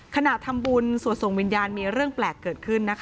ขณะทำบุญสวดส่งวิญญาณมีเรื่องแปลกเกิดขึ้นนะคะ